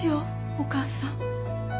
お母さん。